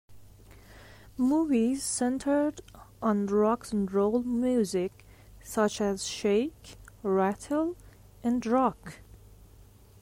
Movies centered on rock 'n roll music such as Shake, Rattle and Rock!